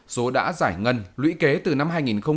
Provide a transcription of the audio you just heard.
số đã giải ngân lũy kế từ năm hai nghìn một mươi